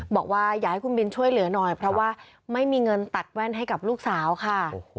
บอกว่าอยากให้คุณบินช่วยเหลือหน่อยเพราะว่าไม่มีเงินตัดแว่นให้กับลูกสาวค่ะ